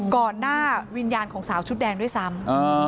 หน้าวิญญาณของสาวชุดแดงด้วยซ้ำ